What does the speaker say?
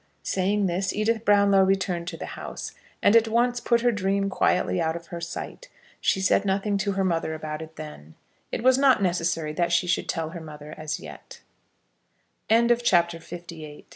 Saying this, Edith Brownlow returned to the house, and at once put her dream quietly out of her sight. She said nothing to her mother about it then. It was not necessary that she should tell her